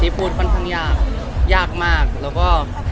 พูดค่อนข้างยากยากมากแล้วก็